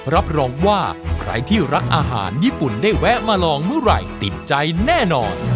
รับรองว่าใครที่รักอาหารญี่ปุ่นได้แวะมาลองเมื่อไหร่ติดใจแน่นอน